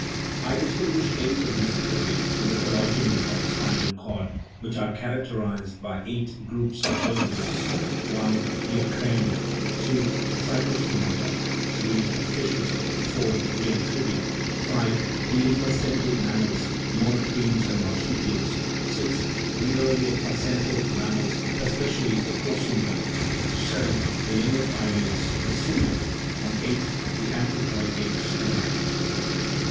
I distinguish eight of these periods in the phylogeny of the spinal cord, which are charac terized by eight different groups of vertebrates : (i) the acrania ; (2) the cyclostomata ; (3) the fishes ; (4) the amphibia ; (5) the implacental mammals (monotremes and marsupials) ; (6) the earlier placental mammals, especially the prosimiae; (7) the younger primates, the simiae ; and (8) the anthropoid apes and man.